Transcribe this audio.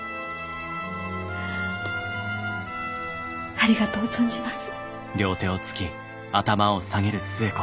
ありがとう存じます。